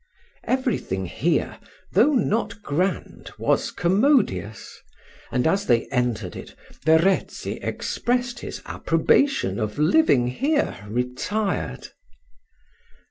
Every thing here, though not grand, was commodious; and as they entered it, Verezzi expressed his approbation of living here retired.